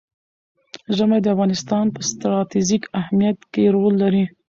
ژمی د افغانستان په ستراتیژیک اهمیت کې رول لري.